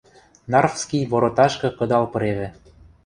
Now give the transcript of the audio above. Нарвский вороташкы кыдал пыревӹ.